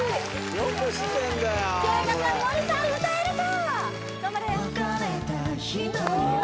圭叶さん森さん歌えるか？